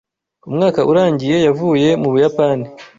Umwaka urangiye yavuye mu Buyapani.